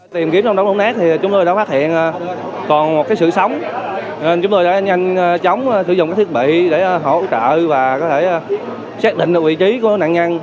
tìm kiếm trong đống đổ nét thì chúng tôi đã phát hiện còn một sự sống nên chúng tôi đã nhanh chóng sử dụng các thiết bị để hỗ trợ và có thể xác định vị trí của nạn nhân